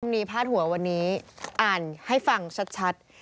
มีพาดหัววันนี้อ่านให้ฟังชัด